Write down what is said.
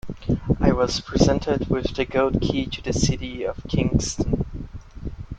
I was presented with the gold key to the city of Kingston.